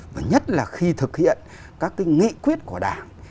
và nhất là khi thực hiện các cái nghị quyết của đảng